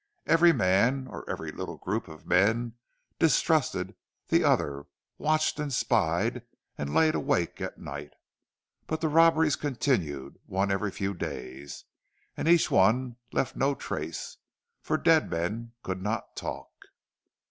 Every man, or every little group of men, distrusted the other, watched and spied and lay awake at night. But the robberies continued, one every few days, and each one left no trace. For dead men could not talk.